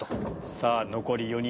さぁ残り４人